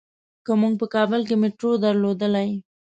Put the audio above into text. که مونږ په کابل کې میټرو درلودلای.